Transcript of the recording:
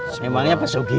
semangnya pesugian pak rete